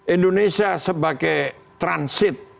indonesia sebagai transit